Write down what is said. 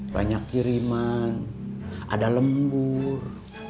banyak kiriman ada lembur